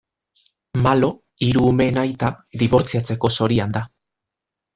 Malo, hiru umeen aita, dibortziatzeko zorian da.